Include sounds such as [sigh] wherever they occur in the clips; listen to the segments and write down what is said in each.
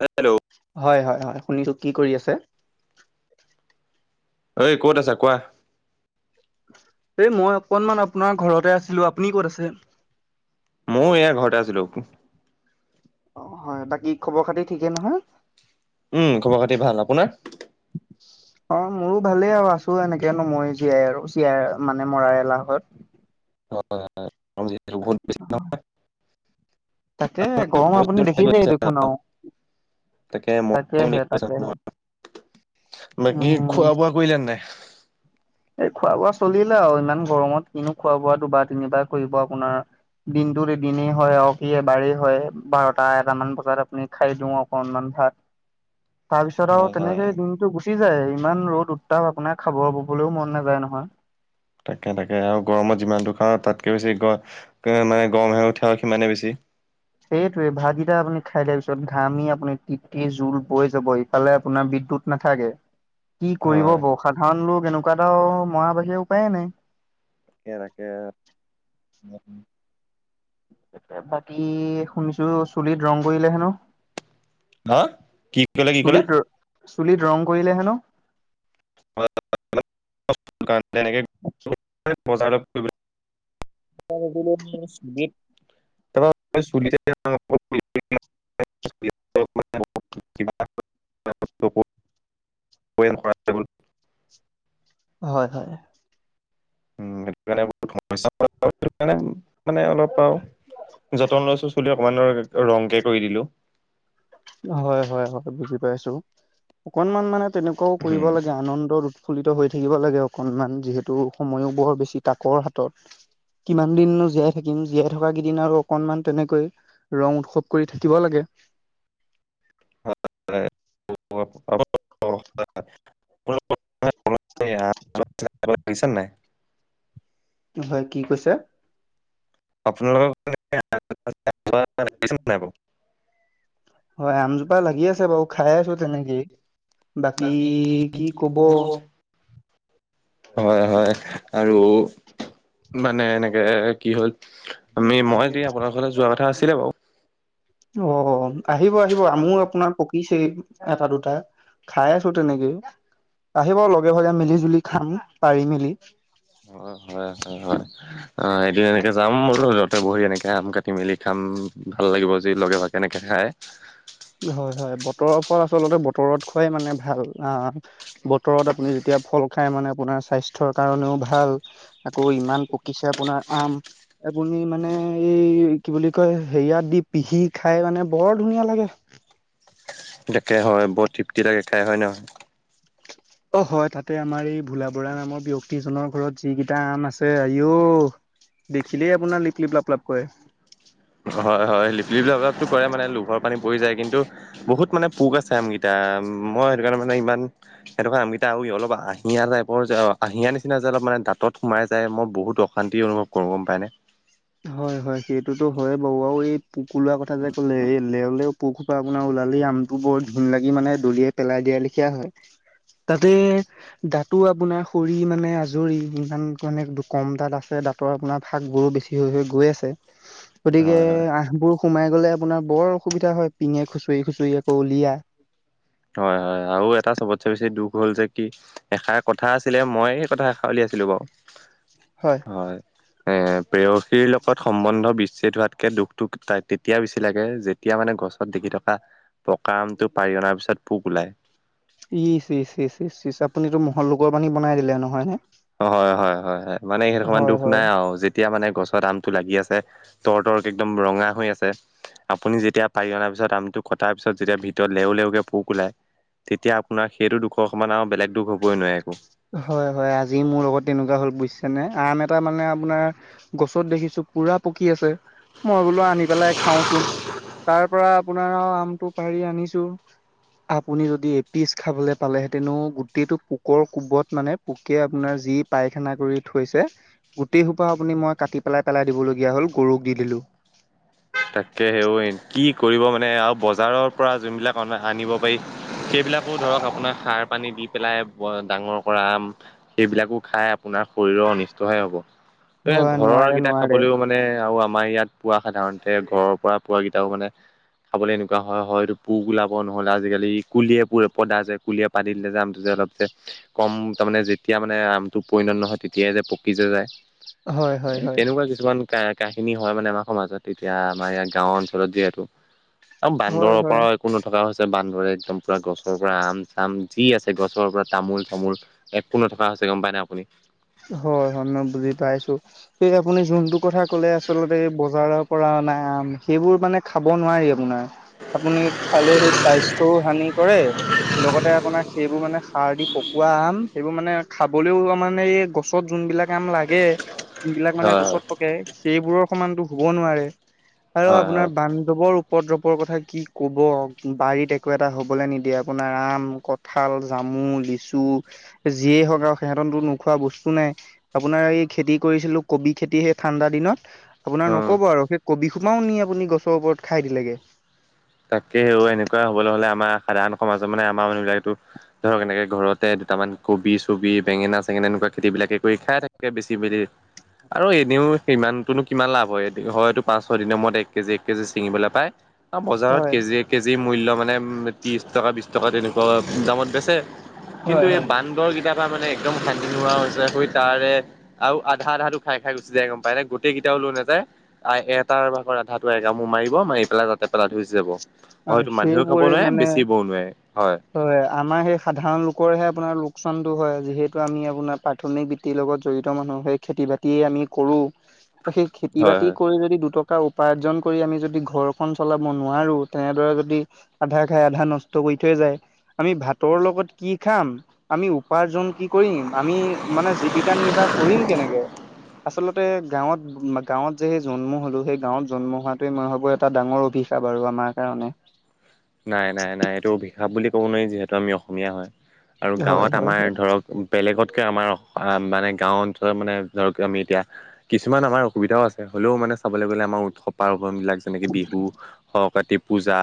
Hello হয় হয়, হয়, শুনিছো, কি কৰি আছে? ঐ ক'ত আছা, কোৱা। এই, মই অকণমান আপোনাৰ ঘৰতে আছিলো, আপুনি ক'ত আছে? ময়ো এয়া ঘৰতে আছিলো। অ' হয়, বাকী খবৰ খাতি ঠিকে নহয়? উম, খবৰ খাতি ভাল, আপোনাৰ? অ' মোৰো ভালেই আৰু, আছো এনেকেনো মই জীয়াই আৰু জীয়াই মানে মৰাৰ এলাহত। [unintelligible] বহুত বেছি নহই। তাকে গৰম আপুনি দেখিছেই দেখোন আৰু। তাকে, ম তাকেহে তাকেহে [unintelligible] বাকি উম। খোৱা বোৱা কৰিলে নাই? এই খোৱা বোৱা চলিলে আৰু, ইমান গৰমত কিনো খোৱা বোৱা দুবাৰ তিনিবাৰ কৰিব আপোনাৰ দিনটোত এ দিনেই হয় আৰু, কি এবাৰেই হয় বাৰটা এটাামান বজাত আপুনি খাই দিও, অকনমান ভাত। [inaudible] তাৰপিছত আৰু হয় হয় তেনেকে দিনতটো গুচি যায়, ইমান ৰ'দ উত্তাপ আপোনাৰ খাব হ'লেও মন নাযায় নহয়। তাকে, তাকে আৰু গৰমত যিমান দুৰ খাওঁ, তাতকৈ বেছি গ মানে গৰমহে উঠাওঁ সিমানেই বেছি সেইটোৱে ভাতকেইটা আপুনি খাই দিয়াৰ, পিছত ঘামি আপুনি তিতি জোল বৈ যাব ইফালে আপোনাৰ বিদ্যুত নাথাকে। [inaudible] কি কৰিব ব সাধাৰণ লোক এনেকুৱা এটা মৰা বাহিৰে উপায়ে নাই। তাকে তাকে। এয়া, বাকী শুনিছো চুলিত ৰং কৰিলে হেনো। হা, কি ক'লে, কি ক'লে? চুলিত চুলিত ৰং কৰিলে হেনো। [unintelligible] [unintelligible] কৰা [unintelligible] হয় হয়। সেই [unintelligible] মানে অলপ পাওঁ যতন লৈছো চুলি অকমান ৰংকে কৰি দিলো। হয় হয় হয় বুজি পাইছো অকনমান মানে তেনেকুৱাও কৰিব লাগে আনন্দৰ উৎফুল্লিত হৈ থাকিব লাগে অকনমান যিহেতু সময়ো বৰ বেছি তাকৰ হাতত। কিমান দিন জীয়াই থাকিম জীয়াই থকা কেইদিন আৰু অকনমান তেনেকৈ। ৰং উৎসৱ কৰি থাকিব লাগে। [unintelligible] [unintelligible] নাই হয় কি কৈছো? আপোনালোকৰ [unintelligible] হয়, আমজোপা লাগি আছে বাৰু খাই আছো তেনেকেই বাকী কি ক'ব। হয় হয় আৰু। মানে এনেকে কি হ'ল আমি মই দ আপোনাৰ ঘতে যোৱা কথা আছিলে বাৰু। অ, আহিব আহিব আমো আপোনাৰ। পিছে এটা দুটা খাই আছো তেনেকে আহিব লগে ভাগে মিলি জুলি। খাম পাৰি মেলি। হয় হয় হয় হয়। অ, এদিন এনেকে যাম বোলো ৰ'দটে বঢ়ি এনেকে আম কাটি মেলি খাম ভাল লাগিব যি লগে ভাগে। কেনেকে খায়। হয় হয় বতৰৰ ফল আচলতে বতৰত খোৱাই মানে ভাল আহ, বতৰত আপুনি যেতিয়া ফল খায় মানে আপোনাৰ স্বাস্থ্যৰ কাৰণেও ভাল। আকৌ ইমান পকিছে আপোনাৰ আম আপুনি মানে এই কি বুলি কয় হেৰিয়াত দি। পিহি খাই মানে বৰ ধুনীয়া লাগে। তাকে হয় বৰত তৃপ্তি লাগে খাই হয় নহয়। অ, হয় তাতে আমাৰ এই ভোলা বৰা নামৰ ব্যয়ক্তিজনৰ ঘৰত যিকেইটা আন আছে আঔ। দেখিলেই আপোনাৰ লিপলিপ লাপ লাপ কৰে। হয় হয় লিপলিপ লাপলাপ কৰে মানে লোভৰ পানী পৰি যায় কিন্তু। বহুত মানে পোক আছে আমকেইটা মই সেইটো কাৰণে মানে ইমান। সেইটো কাৰণোমকেইটা আৰু অলপ আহিয় টাইপৰ যে আহিয়াৰ নিচিনা যে অলপানে দাঁত সোমাই যায় মই বহুত অ শান্তি অনুভৱ কৰঁ গম পায়নে। হয় হয় সেইটোতো হয় বাৰু আৰু এই পোক‌ উলোৱা কথা যে ক'লে এ লেও দেও। পোকখোপা আপোনাৰ ওলালেই আমটো বৰ ঘিন লাগি মানে দলিয়ে পেলাই দিয়া লেখিয়া হয়। ততে। দাঁতো আপোনাৰ খৰি মানে আজৰি ইমানানে কম দাঁত আছে দাঁতৰ আপোনাৰ ফাগ বোৰো দেখি। হৈ হৈ গৈ আছে গতিকে হয় হয় আহ। বোৰ সোমাই গ'লে আপোনাৰ বৰ অসুবিধা হয় পিঙে খুচৰি খুচৰি আকৌ উলিয়া। হয় হয় আৰু এটা চবতছে বেছি দুখ হ'ল যে কি। এষাৰ কথা আছিলে মই সেই কথা এষা উলিয়াইছিলো বাৰু। হয়। হয়। এ প্ৰেয়সীৰ লগত সম্বন্ধ বিচ্ছেদ হোৱাতকে দুখটো তেতিয়া বেছি লাগে যে তেতিয়া মানে গছত দেখি থকা পকা আমটো পাৰি অনাৰ পিছত পোক ওলায়। ইচ ইচ ইচ ইচ ইচ আপুনিতো মহত লোকৰ বানী বনাই দিলে নহয় নে। হয় হয় হয় হয় মানে সেইহেতকমান হয় দুখ হয় নাই আৰু যে এতিয়া মানে গছৰ আমটো লাগি আছে তৰ তৰ্ক একদম ৰঙা হৈ আছে। আপুনি যেতিয়া পাৰি অনাৰ পিছত আমটো কটাৰ পিছত যেতিয়া ভিতৰত লেও লেওকে পোক ওলায় তেতিয়া আপোনাৰ সেইটো দুখৰ ওপৰত আৰু বেলেগ দুখ হ'বই নোৱাৰে একো। হয় হয় আজি মোৰ লগত তেনেকুৱা হ'ল বুজিছেনে আম এটা মানে আপোনাৰ গছত দেখিছোঁ পুৰা পকি আছে, মই বোলো আনি পেলাই খাওচোন। তাৰপৰা আপোনাৰ আৰু আমটো পাৰি আনিছোঁ। আপুনি যদি এপিচ খাবলৈ পালেহেঁতেনো গোটেইটো পোক কোবত মানে পোকে আপোনাৰ যি পায়খানা কৰি থৈছে গোটেইসোপা আপুনি মই কাটি পেলাই পেলাই দিবলগীয়া হ'ল, গৰুক দি দিলোঁ। তাকে সেও কি কৰিব মানে আৰু বজাৰৰপৰা যোনবিলাক অনা আনিব পাৰি সেইবিলাকো ধৰক আপোনাৰ সাৰ পানী দি পেলাই ডাঙৰ কৰা আম সেইবিলাকো খাই আপোনাৰ শৰীৰৰ অনিষ্টহে হ'ব। টোৱে হয় ঘৰৰ নোৱাৰে কেইটা নোৱাৰে খাবলৈও মানে আৰু আমাৰ ইয়াত পোৱা সাধাৰণ তে ঘৰৰপৰা পোৱাকেইটাও মানে খাবলৈ এনেকুৱা হয়, হয়তো পোম ওলাব নহ'লে আজিকালি কুলিয়ে পুৰে পদা যে কুলিয়ে পাদি দিলে যে আমটো যে অলপ যে কম তাৰমানে যেতিয়া মানে আমটো পৰিণত নহয় তেতিয়াই যে পকি যে যায়। হয় এ, হয় হয় তেনেকুৱা কিছুমান ক-কাহিনী হয় মানে আমাৰ সমাজত। তেতিয়া আমাৰ ইয়াত গাঁও অঞ্চলত যিহেতু আৰু হয় হয় বান্দৰৰপৰা কো নথকা হৈছে, বান্দৰে একদম পূৰা গছৰপৰা আম চাম যি আছে গছৰপৰা তামোল চামোল একো নথকা হৈছে গম পায় নাই আপুনি? হয় হয় মই বুজি পাইছোঁ। এই আপুনি যোনটো কথা ক'লে আচলতে বজাৰৰ পৰা অনা আম সেইবোৰ মানে খাব নোৱাৰি আপোনাৰ। আপুনি খালে সেই স্বাস্থ্য হানি কৰে লগতে আপোনাৰ সেইবোৰ মানে সাৰ দি পকোৱা আম সেইবোৰ মানে খাবলৈও মানে এই গছত যোনবিলাক আম লাগে যোনবিলাক মানে হয় গছত পকে সেইবোৰৰ সমানতো হুব নোৱাৰে, আৰু হয় হয় আপোনাৰ হয় বান্ধৱৰ উপদ্ৰৱৰ কথা কি ক'ব বাৰীত একো এটা হ'বলৈ নিদিয়ে আপোনাৰ আম ক ঠাল, জামু, লিচু যিয়েই হওক আৰু সিহঁতেতো নোখোৱা বস্তু কোঁ নাই। আপোনাৰ এই খেতি কৰিছিলোঁ, কবি খেতি সেই ঠাণ্ডা দিনত আপোনাৰ অ নক'ব আৰুে সেই কবি সোপাও নি আপুনি গছৰ ওপৰত খাই দিলেগে। তাকে অ' এনেকুৱা হ'বলৈ হ'লে আমাৰ সাধাৰণ সমাজত মানে আমাৰ মানুহবিলাকেতো ধৰক এনেকে ঘৰতে দুটামান কবি চবি, বেঙেনা চেঙেনা এনেকুৱা খেতিবিলাকে কৰি খাই থাকে বেছি মেলি আৰু এনেও সিমানটোনো কিমান লাভ হয়, হয়তো পাঁচ ছয় দিনৰ মূৰত এক কেজি, এক কেজি ছিঙিবলৈ পায়। আৰু বজাৰত হয় কেজিয়ে কেজিৰ মূল্য মানে ত্ৰিশ টকা, বিশ টকা তেনে তলপ দামত বেচে কিন্তু এই বান্দৰকেইটা পোৰা মানে একদম শান্তি নোহোৱা হৈছে। সু তাৰে আৰু আধা আধাটো খাই খাই গুচি যায় গম পায় নাই? গোটেইকেইটাও লৈ নাযায়। আ, এটাৰ ভাগৰ আধাটো একামোৰ মাৰিব মাৰি পেলাই তাতে পেলাই থৈ গুচি যাব। হয় আৰু এইটো মানুহেও খাব সেইবোৰে নোৱাৰে মানে বেচিবও নোৱাৰে। হয়। হয় আমাৰ সেই সাধাৰণ লোকৰহে আপোনাৰ লোকচানতটো হয় যিহেতু আমি আপোনাৰ পাৰ্ট প্ৰাথমিক বৃত্তিৰ লগত জড়িত মানুহ, হেই খেতি বাতিয়ে আমি কৰোঁ। [inaudible] সেই খেতি হয় বাতি হয়। কৰি যদি দুটক টকা উপাৰ্জন কৰি আমি যদি ঘৰখন চলাব নোৱাৰোঁ তেনেদৰে যদি আধা খাই আধা নষ্ট কৰি থৈ যায়। আমি ভাতৰ লগত কি খাম আমি উপাৰ্জন কি কৰিম, আমি মানে জীৱিকা নিৰ্বাহ কৰিম কেনেকে? আচলতে গাঁৱত গাঁৱত যেহেই জন্ম হ'লো সেই গাঁৱত জন্ম হোৱাটোৱে মই ভাবোঁ এটা ডাঙৰ অভিষ কা বাৰু আমাৰ কাৰণে। নাই, নাই, নাই। এইটো ভিষাব বুলি ক'ব নোৱাৰি যিহেতু আমি অসমীয়া হয় আৰু হয় গাঁৱত হয় আমাৰ ধৰক বেলেগতকে আমাৰ মানে অহ, গাঁও অঞ্চলত মানে ধৰক আমি এতিয়া কিছুমান আমাৰ অসুবিধাও আছে হ'লেও মানে চবলৈ গ'লে আমাৰ উৎসৱ। পাৰ্বণবিলাক যেনেকৈ বিহু সৰ কাতি পূজা।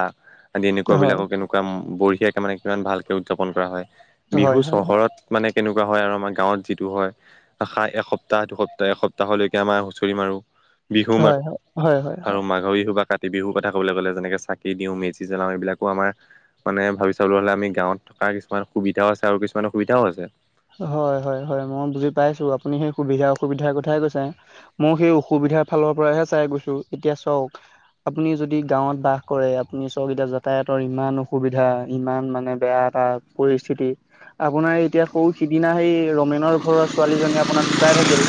আদি হয় হয় এনেকুৱাবিলাকৰ এনেকুৱা বঢ়িয়াকৈ মানে কিমান ভালকৈ উদযাপন কৰা হয়। হয় বিহু হয় চহৰত মানে কেনেকুৱা হয় আৰু আমাৰ গাঁৱত যিটো হয়, এসপ্তাহ দুসপ্তাহ। এসপ্তাহলৈকে আমাৰ হুঁচৰি মাৰোঁ, বিহু হয় হয় মাৰোঁ হয় হয় হয় আৰু মাঘৰ বিহু বা কাতি বিহুৰ কথা ক'বলৈ'লে যেনেকৈ চাকি দিওঁ, মেজি জ্বলাও। এইবিলাকো আমাৰ মানে ভাবি চাবলৈ হ'লে আমি গাঁৱত থকা কিছুমান সুবিধাও আছে আৰু কিছুমান অসুবিধাও আছে। হয়, হয়, হয়। মই বুজি পাইছোঁ আপুনি সেই সুবিধা অসুবিধাৰ কথাই কৈছে। মই সেই অসুবিধাৰ ফালৰ পৰাহে চাই কৈছোঁ এতিয়া চাওঁক। আপুনি যদি গাঁৱত বাস কৰে, আপুনি চাওঁক এতিয়া যাতায়াতৰ ইমান অসুবিধা, ইমান মানে বেয়া এটা পৰিস্থিতি আপোনাৰ এতিয়া সৌসিদিনা সেই ৰমেনৰ ঘৰৰ ছোৱালীজনী আপোনাৰ ঢুকাই থাকিল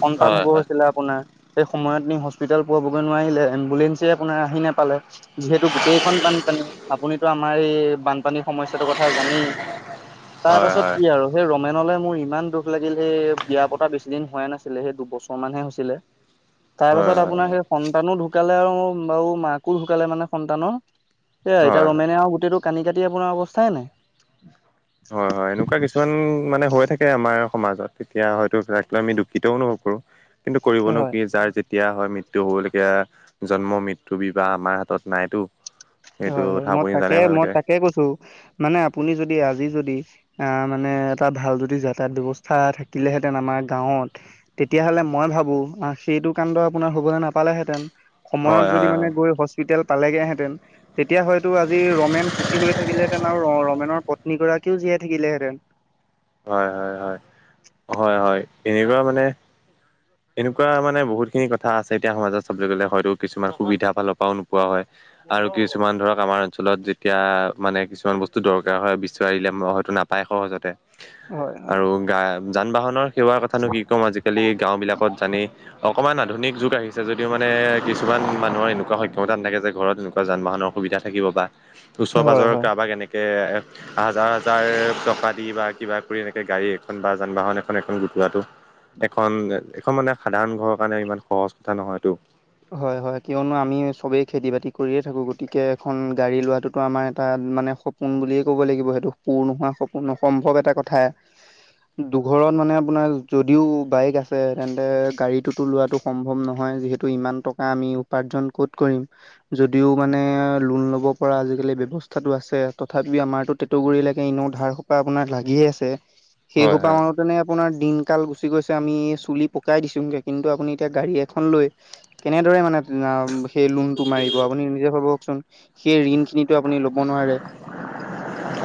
সন্তান হয় হ'ব হয়। হৈছিলে। আপোনাৰ সেই সময়ত নি হস্পিতাল পোৱাবগৈ নোৱাৰিলে এম্বুলেঞ্চে আপোনাৰ আহি নোপালে। যিহেতু গোটেইখন বানপানী। আপুনিতো আমাৰ এই বানপানী সমস্যাটোৰ কথা জানেয়ে হয় তাৰপাছত হয় সেয়া আৰু সেই ৰমেনলৈ মোৰ ইমান দুখ লাগিল সেই বিয়া পতা বেছি দিন হোৱাই নাছিলে, সেই দুবছৰ মানহে হৈছিলে। [unintelligible] তাৰপাছত হয় আপোনাৰ সেই সন্তানো ঢুকালে আৰু বাৰু মাকো ঢুকালে মানে সন্তানৰ। এতিয়া হয় ৰমেনে গোটেইটো কানি-কাটি আপোনাৰ অৱস্থাই নাই। হয়, হয়। এনেকুৱা কিছুমান মানে হৈ থাকে। এয়াই আমাৰ সমাজত তেতিয়া হয়তো আমি দুখিতও অনুভৱ কৰোঁ কিন্তু নাই। কৰিবনো হয়। কি যাৰ যেতিয়া এতিয়া হয় মৃত্যু হ'বলগীয়া জন্ম মৃত্যু বিবাহ আমাৰ হাতত নাইতো। সেইটো হয়, হয়। কথা মই আপুনি জানে তাকে মই ভালকে তাকে কৈছো মানে আপুনি যদি আজি যদি অহ, মানে এটা ভাল যদি যাতায়াত ব্যৱস্থা থাকিলেহেঁতেন আমাৰ গাঁৱত। তেতিয়াহ'লে মই ভাবোঁ অহ, সেইটো কাণ্ড আপোনাৰ হ'বলৈ নাপালেহেঁতেন। সময়ত হয় যদি মানে হয় গৈ হস্পিতাল পালেগে হেঁতেন। তেতিয়া হয়তো আজি ৰমেন সুখী হৈ থাকিলেহেঁতেন আৰু ৰমেনৰ পত্নীগৰাকীও জীয়াই থাকিলেহেঁতেন। হয়, হয়, হয়। হয়, হয়, এনেকুৱা মানে এনেকুৱা মানে বহুতখিনি কথা আছে এতিয়া সমাজত চবলৈ গ'লে হয়তো কিছুমান সুবিধা ফালৰ পৰাও নোপোৱা হয় আৰু কিছুমান ধৰক আমাৰ অঞ্চলত এতিয়া মানে কিছুমান বস্তু দৰকাৰ হয় বিচাৰিলে আমাৰ হয়তো নাপায় সহজতে। হয় হয় আৰু গা, যান-বাহনৰ সেৱাৰ কথানো কি ক'ম আজিকালি গাঁওবিলাক জানি অকমান আধুনিক যুগ আহিছে যদিওঁ মানে কিছুমান মানুহৰ এনেকুৱা সক্ষমতা নাথাকে যে ঘৰত এনেকুৱা যান-বাহনৰ সুবিধা থাকিব বা ওচৰ হয় পাজৰৰ হয়। কাৰোবাক কেনেকে হাজাৰ-হাজাৰ টকা দি বা কিবা কৰি এনেকে গাড়ী এখন বা যান-বাহন এখন, এখন গোটোৱাটো। এখন এখন মানে সাধাৰণ ঘৰৰ কাৰণে ইমান সহজ কথা নহয়টো। হয়, হয়। কিয়নো আমি চবেই খেতি-বাতি কৰিয়ে থাকো গতিকে এখন গাড়ী লোৱাটো আমাৰ এটা মানে সপোন বুলিয়ে ক'ব লাগিব সেইটো, পুৰ নোহোৱা সপোন অসম্ভৱ এটা কথাই। দুঘৰত মানে আপোনাৰ যদিওঁ বাইক আছে তেন্তে গাড়ীটোতো লোৱাটো সম্ভৱ নহয় যিহেতু। তো ইমান টকা আমি উপাৰ্জন ক'ত কৰিম। যদিও মানে লোন ল'ব পৰা আজিকালি ব্যয়ৱস্থাটো আছে তথাপি আমাৰোতো টুগুৰিলৈকে এনেও ধাৰ সোপা আপোনাৰ লাগিয়ে আছে, সেই হয় সোপা হয়। মানত যেনে আপোনাৰ দিনকাল গুচি গৈছে, আমি এই চুলি পকাই দিছোগে, কিন্তু আপুনি এতিয়া গাড়ী এখন লৈ কেনেদৰে মানে সেই উম, লোনটো মাৰিব আপুনি নিজে ভাবকচোন। সেই ঋণ খিনিতো আপুনি ল'ব নোৱাৰে।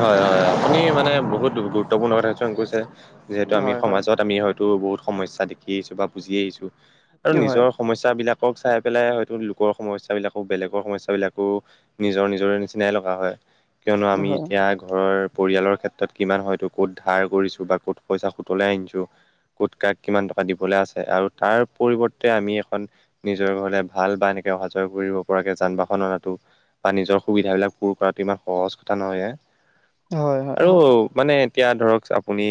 হয়, হয়, হয়। আপুনি মানে বহুত গুৰুত্বপূৰ্ণ কথা কিছুমান কৈছে। যিহেতু আমি হয় হয় সমাজত আমি হয়তো বহুত সমস্যা দেখি আহিছোঁ বা বুজি আহিছোঁ আৰু হয় হয় নিজৰ সমস্যাবিলাকক চাই পেলাই হয়তো, লোকৰ সমস্যাবিলাকো বেলেগৰ সমস্যাবিলাকো নিজৰ নিজৰে নিচিনাই লগা হয় কিয়নো আমি এতিয়া ঘৰৰ পৰিয়ালৰ ক্ষেত্ৰত কিমান হয়তো ক'ত ধাৰ কৰিছো বা ক'ত পইচা সুতলাই আনিছো। গোট ক কিমান টকা দিবলৈ আছে আৰু তাৰ পৰিৱৰ্তে আমি এখন নিজৰ ঘৰলে ভাল বা এনেকে অহা যোৱা কৰিব পৰাকৈ যান বাহন অনা বা নিজৰ সুবিধা বিলাক পূৰ কৰাতো ইমান সহজ কথা নহয় এ হয় হয় আৰু হয় মানে এতিয়া ধৰক আপুনি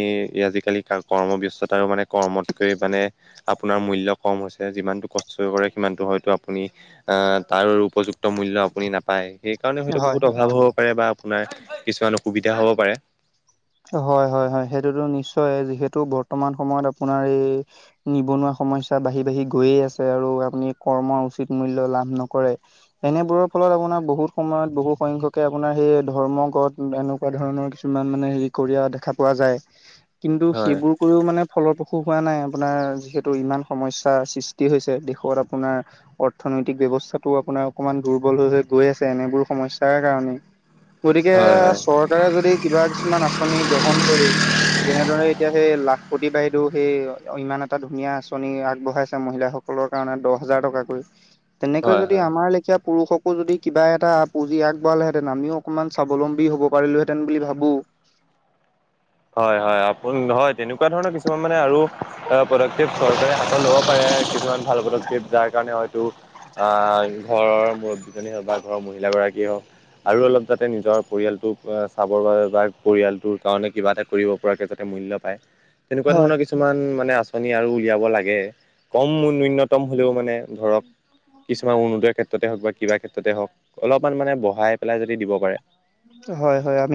আজিকালি কৰ্মব্স্ততাৰো মানে কৰ্মতকৈ মানে আপোনাৰ মূল্য কম হৈছে যিমানটো কষ্ট কৰে সিমানটো হয়তো আপুনি অ' তাৰ উপযুক্ত মূল আপুনি পায় সেইকাৰণে হয়তো হয় বহুত অভাৱ হ'ব পাৰে বা আপোনাৰ কিছুমান অসুবিধা হ'ব পাৰে। হয়, হয়, হয়, সেইটোতো নিশ্চয় যিহেতু বৰ্তমান সময়ত আপোনাৰ এই নিবনুৱা সমস্য বাঢ়ি বাঢ়ি গৈয়ে আছে আৰু আপুনি কৰ্ম উচিত মূল্যয় লাভ নকৰে। এনেবোৰৰ ফলত আপোনাৰ বহুত সময়ত বহু সংখ্যকে আপোনাৰ সেই ধৰ্ম গত এনে এনেকুৱা ধৰণৰ কিছুমান মানে হেৰি কৰি দেখা পোৱা যায় কিন্তু হয় সেইবোৰ কৰিও মানে ফলপ্ৰসূ হোৱা নাই আপোনাৰ যিহেতু ইমান সমস্যাৰ সৃষ্টি হৈছে দেশত আপোনাৰ অৰ্থনৈতিক ব্যৱস্থাতো আপোনাৰ অকণমান দুৰ্বল হৈ হৈ গৈ আছে এনেবোৰ সমস্যাৰ কাৰণে। গতিকে হয় হয় চৰকাৰে যদি কিবা কিছুমান আঁচনি গ্ৰহণ কৰি যেনেদৰে এতিয়া সেই লাখপতি বাহিৰেও সেই ইমান এটা ধুনীয়া আঁচনি আগবঢ়াইছে মহিলাসকল সকলৰ কাৰণে দহ হাজাৰ টকাকৈ তেনেকৈ হয় যদি হয় আমাৰ লেখিয় পুৰুষক আকৌ যদি কিবা এটা পুজি আগবঢ়ালেহেঁতেন আমিও অকমান্বলম্বী হ'ব পাৰিলোহেতেন বুলি ভাবো। হয়, হয় আপোন হয় তেনেকুৱা ধৰণৰ কিছুমান মানে আৰু প্ৰডাক্টিভ চৰকাৰে হাতত ল'ব পাৰে কিছুমান ভাল প্ৰডাক্টিভ যাৰ কাৰণে হয়তো ঘৰৰ মূুৰব্বীজনী হওক বা ঘৰৰ মহিলাগৰাকীয়ে হওক। আৰু অলপ যাতে নিজৰ পৰিয়ালটো চাবৰ বাবে বা পৰিয়ালটোৰ কাৰণে কিবা এটা কৰিব পৰাকে যাতে মূল্য পায় তেনেকুৱা হয়। ধৰণৰ কিছু কিছুমান মানে আঁচনি আৰু উলিয়াব নিম্নতম হলেও মানে ধৰক কিছুমান উন্নোদয়ৰ ক্ষেত্ৰতে হওক বা কিবা ক্ষেত্ৰতে হওক অলপমান মানে বঢ়াই পেলাই যদি দিব পাৰে। হয়, হয় আমি